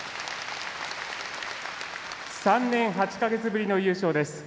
３年８か月ぶりの優勝です。